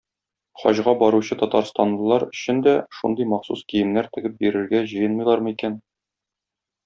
Хаҗга баручы татарстанлылар өчен дә шундый махсус киемнәр тегеп бирергә җыенмыйлармы икән?